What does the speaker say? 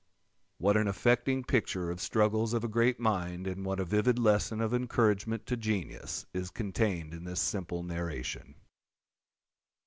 _" What an affecting picture of the struggles of a great mind, and what a vivid lesson of encouragement to genius, is contained in this simple narration!